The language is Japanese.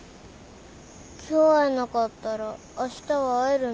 今日会えなかったらあしたは会えるの？